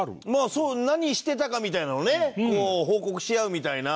そう何してたかみたいなのをね報告し合うみたいな。